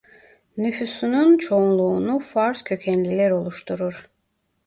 Nüfusunun çoğunluğunu Fars kökenliler oluşturur.